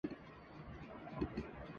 یہ تو بڑے موضوعات ہیں۔